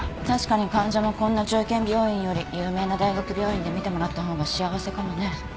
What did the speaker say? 確かに患者もこんな中堅病院より有名な大学病院で診てもらった方が幸せかもね。